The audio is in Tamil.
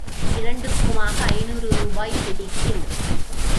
இரண்டுக்குமாக, ஐந்நூறு ரூபாய் பிடிக்கும்.